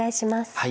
はい。